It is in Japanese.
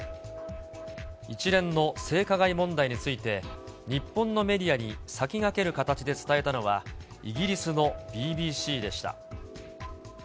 一連の性加害問題について、日本のメディアに先駆ける形で伝えたのは、イギリスのＢＢＣでした。